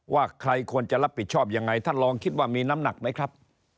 ว่าใครควรจะรับผิดชอบยังไงท่านลองคิดว่ามีน้ำหนักไหมครับ